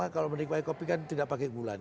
kalau menikmati kopi kan tidak pakai bulan